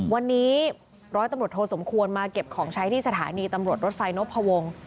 วันนี้ร้อยตำรวจโทสมควรมาเก็บของใช้ที่สถานีตำรวจรถไฟนพวง